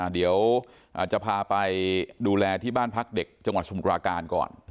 เดี๋ยวจะพาไปดูแลที่บ้านพักเด็กจังหวัดสมุทราการก่อน